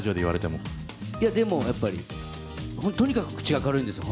でもやっぱり、とにかく口が軽いんですよ。